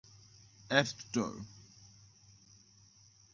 App Store